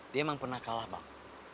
dia emang pernah kalah bang